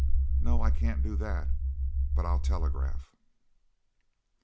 'No, I can't do that, but I'll TELEGRAPH.'